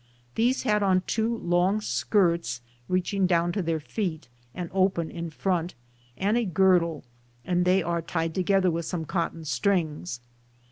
These had on two long skirts reaching down to their feet and open in front, and a girdle, and they are tied together with some cotton strings.